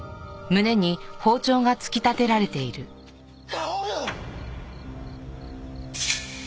薫！？